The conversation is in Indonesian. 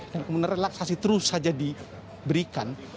dan kemudian relaksasi terus saja diberikan